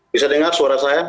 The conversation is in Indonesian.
bisa dengar suara saya